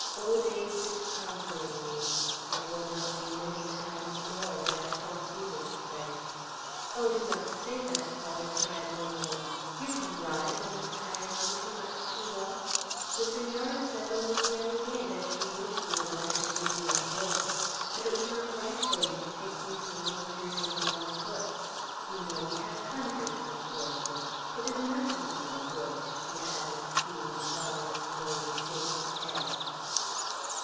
"Old age is conquering me. It will not be many times more that I shall see this place." "Oh, do not say that, Father," cried Ramona; "you can ride, when it tires you too much to walk. The Senora said, only the other day, that she wished you would let her give you a horse; that it was not right for you to take these long journeys on foot. You know we have hundreds of horses. It is nothing, one horse," she added, seeing the Father slowly shake his head.